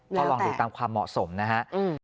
ก็ลองติดตามความเหมาะสมนะฮะ